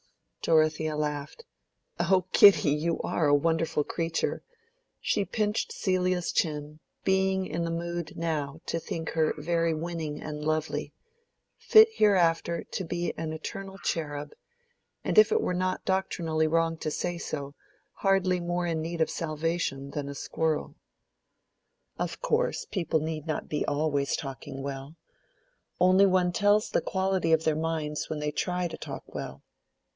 Dorothea laughed. "O Kitty, you are a wonderful creature!" She pinched Celia's chin, being in the mood now to think her very winning and lovely—fit hereafter to be an eternal cherub, and if it were not doctrinally wrong to say so, hardly more in need of salvation than a squirrel. "Of course people need not be always talking well. Only one tells the quality of their minds when they try to talk well."